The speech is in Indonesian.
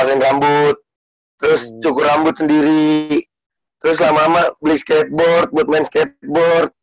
makan rambut terus cukur rambut sendiri terus lama lama beli skateboard buat main skateboard